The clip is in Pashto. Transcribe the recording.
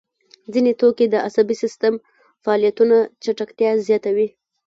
ځیني توکي د عصبي سیستم فعالیتونه چټکتیا زیاتوي.